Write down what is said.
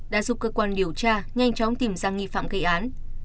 đã giúp cơ quan điều tra nhanh chóng tìm ra nghi phạm gây án